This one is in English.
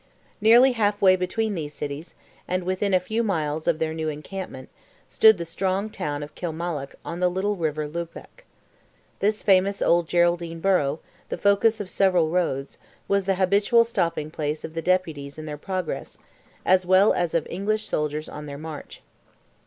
Nearly half way between these cities, and within a few miles of their new encampment, stood the strong town of Kilmallock on the little river Lubach. This famous old Geraldine borough, the focus of several roads, was the habitual stopping place of the Deputies in their progress, as well as of English soldiers on their march.